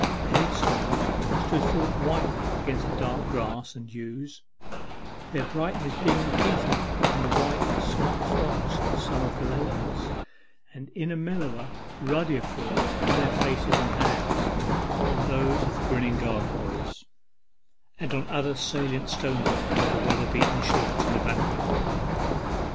The headstones stood forth whitely against the dark grass and yews, their brightness being repeated on the white smock frocks of some of the labourers, and in a mellower, ruddier form on their faces and hands, on those of the grinning gargoyles, and on other salient stonework of the weather beaten church in the background.